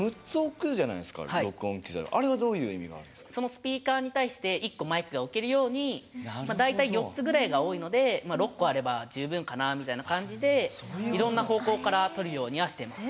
スピーカーに対して１個マイクが置けるように大体４つぐらいが多いのでまあ６個あれば十分かなみたいな感じでいろんな方向からとるようにはしてます。